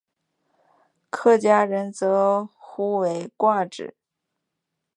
客家人则呼为挂纸。